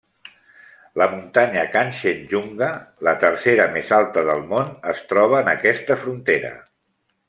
La muntanya Kanchenjunga, la tercera més alta del món, es troba en aquesta frontera.